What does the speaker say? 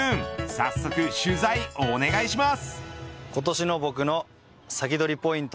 早速、取材お願いします。